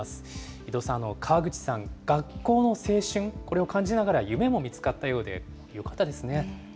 伊藤さん、川口さん、学校の青春、これを感じながら、夢も見つかったようで、よかったですね。